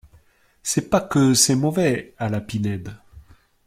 C’est pas que c’est mauvais, à la Pinède